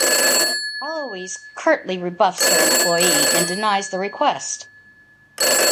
Eloise curtly rebuffs her employee and denies the request.